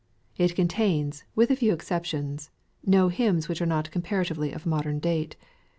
It contains, with a few exceptions, no hymns which are not comparatively of modern date.